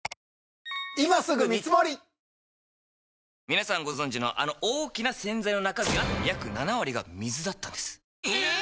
皆さんご存知のあの大きな洗剤の中身は約７割が水だったんですええっ！